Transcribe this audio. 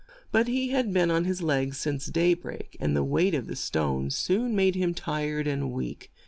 But he had been on his legs since day break, and the weight of the stones soon made him tired and weak.